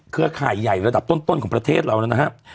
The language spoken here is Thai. เครือข่ายใหญ่ระดับต้นของประเทศเราแล้วนะครับ